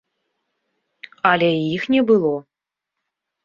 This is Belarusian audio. Але іх не было.